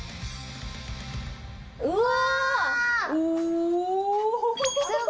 うわ！